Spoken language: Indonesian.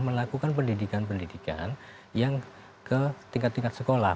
melakukan pendidikan pendidikan yang ke tingkat tingkat sekolah